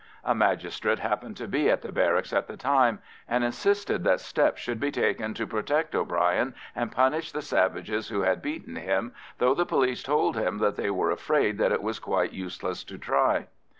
A magistrate happened to be at the barracks at the time, and insisted that steps should be taken to protect O'Brien and punish the savages who had beaten him, though the police told him that they were afraid that it was quite useless to try.